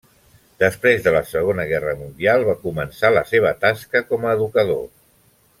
Després de la Segona Guerra Mundial, va començar la seva tasca com a educador.